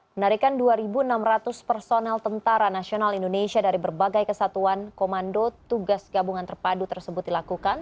penarikan dua enam ratus personel tentara nasional indonesia dari berbagai kesatuan komando tugas gabungan terpadu tersebut dilakukan